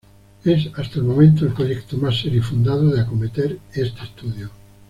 Es, hasta el momento, el proyecto más serio y fundado de acometer este estudio.